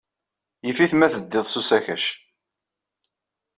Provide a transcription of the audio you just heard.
Yif-it ma teddiḍ s usakac.